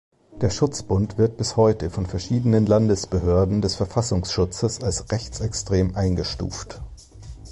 Der Schutzbund wird bis heute von verschiedenen Landesbehörden des Verfassungsschutzes als rechtsextrem eingestuft.